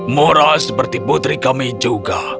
mora seperti putri kami juga